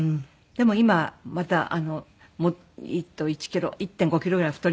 でも今また１キロ１．５キロぐらい太りましたけど。